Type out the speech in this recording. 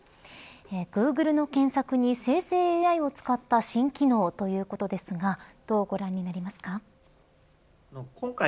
グーグルの検索に生成ＡＩを使った新機能ということですがどうご覧になりますか。